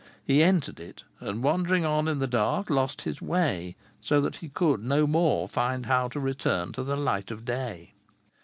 He entered it, and wandering on in the dark, lost his way, so that he could no more find how to return to the light of day.